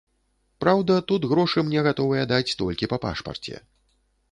Праўда, тут грошы мне гатовыя даць толькі па пашпарце.